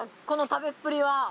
この食べっぷりは。